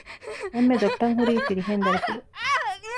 އެންމެ ދޮއްޓަށް ހުރީ ފިރިހެން ދަރިފުޅު